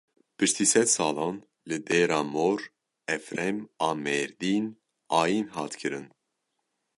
Piştî sed salan li Dêra Mor Efrem a Mêrdîn ayîn hat kirin.